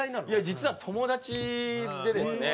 実は友達でですね。